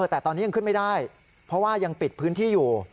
แต่ตอนนี้ยังขึ้นไม่ได้เพราะว่ายังปิดพื้นที่อยู่